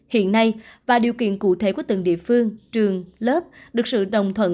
hiện nay và điều kiện cụ thể của từng địa phương trường lớp được sự đồng thuận